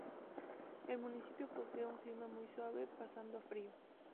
El municipio posee un clima muy suave pasando a frío.